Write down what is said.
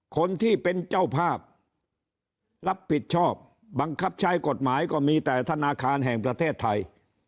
คนที่เป็นเจ้าภาพรับผิดชอบบังคับใช้กฎหมายก็มีแต่ธนาคารแห่งประเทศไทย